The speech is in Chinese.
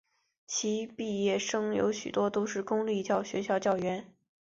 其毕业生有许多都是公立学校教员。